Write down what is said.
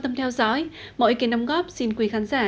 mọi ý kiến đồng góp xin quý khán giả